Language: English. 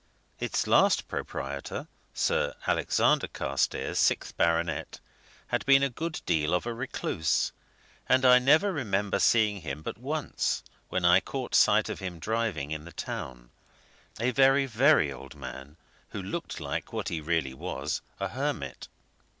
Its last proprietor, Sir Alexander Carstairs, sixth baronet, had been a good deal of a recluse, and I never remember seeing him but once, when I caught sight of him driving in the town a very, very old man who looked like what he really was, a hermit.